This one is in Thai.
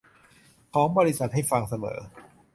ของบริษัทให้ฟังเสมอ